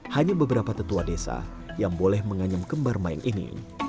hanya beberapa tetua desa yang boleh menganyam kembar mayang ini